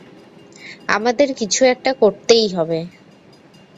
আমাদের কিছু একটা করতেই হবে।